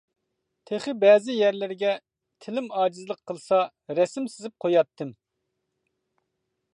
تېخى بەزى يەرلىرىگە تىلىم ئاجىزلىق قىلسا، رەسىم سىزىپ قوياتتىم.